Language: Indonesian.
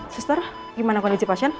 sister gimana kondisi pasien